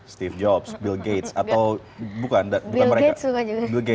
steve jobs bill gates atau bukan bukan mereka juga juga